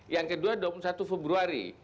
yang kedua dua puluh satu februari